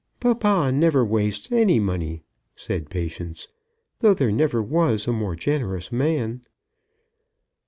"Papa never wastes any money," said Patience, "though there never was a more generous man."